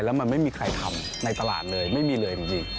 แล้วมันไม่มีใครทำในตลาดเลยไม่มีเลยจริง